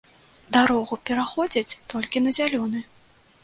Дарогу пераходзяць толькі на зялёны.